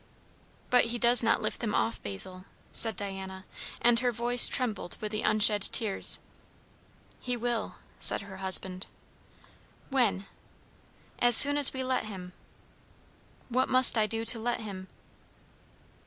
"But he does not lift them off, Basil," said Diana; and her voice trembled with the unshed tears. "He will" said her husband. "When?" "As soon as we let him." "What must I do to let him?"